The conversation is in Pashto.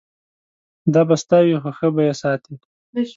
دا به ستا وي خو ښه به یې ساتې.